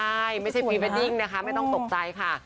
ใช่ไม่ใช่พรีเวดดิ้งนะคะไม่ต้องตกใจค่ะ